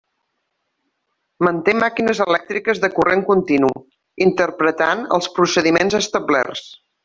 Manté màquines elèctriques de corrent continu, interpretant els procediments establerts.